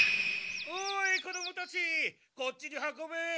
おい子どもたちこっちに運べ！